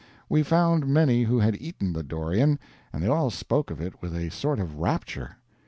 We found many who had eaten the dorian, and they all spoke of it with a sort of rapture.